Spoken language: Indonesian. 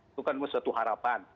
itu kan sesuatu harapan